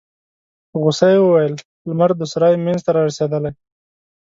په غوسه يې وویل: لمر د سرای مينځ ته رارسيدلی.